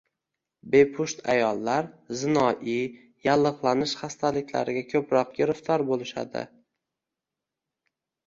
Bepusht ayollar zinoiy, yallig‘lanish xastaliklariga ko‘proq giriftor bo‘lishadi.